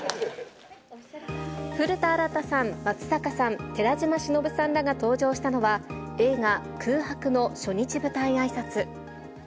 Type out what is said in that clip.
古田新太さん、松坂さん、寺島しのぶさんらが登場したのは、映画、空白の初日舞台あいさつ。